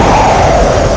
itu udah gila